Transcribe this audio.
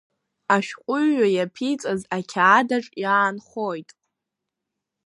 Ашәҟәыҩҩы иаԥиҵаз ақьаадаҿ иаанхоит.